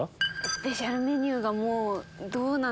スペシャルメニューがどうなのか。